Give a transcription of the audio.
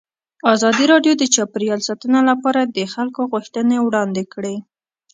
ازادي راډیو د چاپیریال ساتنه لپاره د خلکو غوښتنې وړاندې کړي.